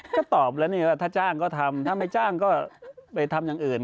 ก็ตอบแล้วนี่ว่าถ้าจ้างก็ทำถ้าไม่จ้างก็ไปทำอย่างอื่น